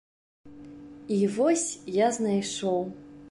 І вось я знайшоў.